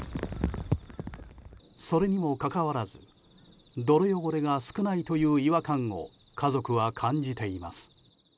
それにもかかわらず泥汚れが少ないという違和感を家族は感じています。